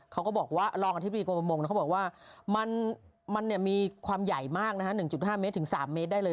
เขาก็รองอธิบดีกลปมงค์แล้วเขาบอกว่ามันมีความใหญ่มาก๑๕๓เมตรได้เลย